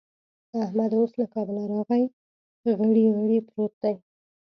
احمد اوس له کابله راغی؛ غړي غړي پروت دی.